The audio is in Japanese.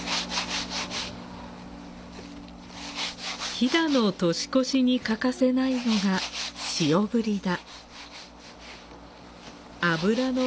飛騨の年越しに欠かせないのが塩ブリだ。